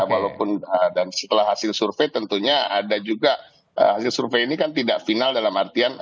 walaupun dan setelah hasil survei tentunya ada juga hasil survei ini kan tidak final dalam artian